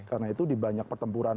karena itu di banyak pertempuran